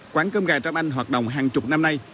quán cơm gà trăm anh hoạt động hàng chục năm nay